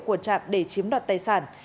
của trạm để chiếm đoạt tài sản